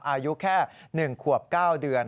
อายุแค่๑ขวบ๙เดือน